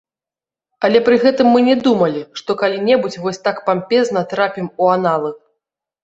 Але пры гэтым мы не думалі, што калі-небудзь вось так пампезна трапім у аналы.